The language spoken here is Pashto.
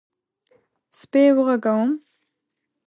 _سپی وغږوم؟